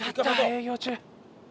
営業中。